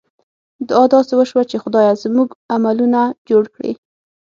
دعا داسې وشوه چې خدایه! زموږ عملونه جوړ کړې.